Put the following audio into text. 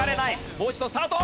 もう一度スタート！